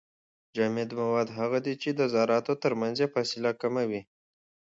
جامد مواد هغه دي چي د زراتو ترمنځ يې فاصله کمه وي.